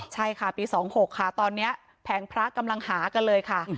ใช่ค่ะปี๒๖ค่ะตอนนี้แผงพระกำลังหากันเลยค่ะ